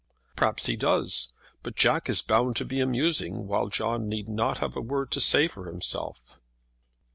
"Perhaps he does. But Jack is bound to be amusing, while John need not have a word to say for himself."